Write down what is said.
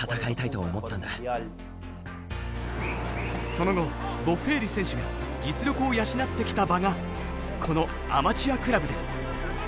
その後ボッフェーリ選手が実力を養ってきた場がこのアマチュアクラブです。